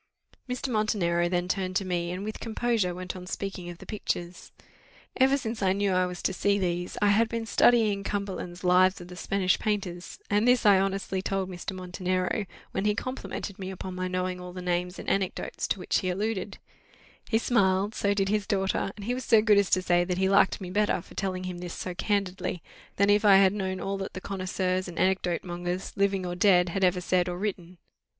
Mr. Montenero then turned to me, and with composure went on speaking of the pictures. Ever since I knew I was to see these, I had been studying Cumberland's Lives of the Spanish Painters, and this I honestly told Mr. Montenero, when he complimented me upon my knowing all the names and anecdotes to which he alluded: he smiled so did his daughter; and he was so good as to say that he liked me better for telling him this so candidly, than if I had known all that the connoisseurs and anecdote mongers, living or dead, had ever said or written.